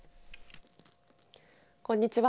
こんにちは。